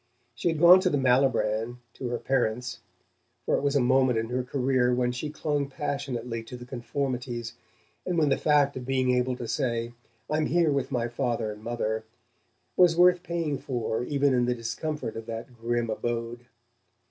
She had gone to the Malibran, to her parents for it was a moment in her career when she clung passionately to the conformities, and when the fact of being able to say: "I'm here with my father and mother" was worth paying for even in the discomfort of that grim abode.